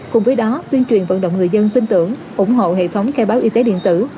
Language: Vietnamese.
cùng với đó tuyên truyền vận động người dân tin tưởng ủng hộ hệ thống khai báo y tế điện tử